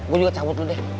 gue juga cabut dulu deh